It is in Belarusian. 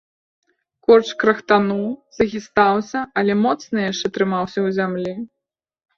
Корч крахтануў, захістаўся, але моцна яшчэ трымаўся ў зямлі.